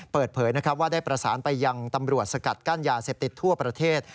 เปิดเผยว่าได้ประสานไปยังตำรวจสกัดกั้นยาเสพติดทั่วประเทศ